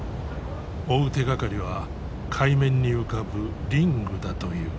追う手がかりは海面に浮かぶリングだという。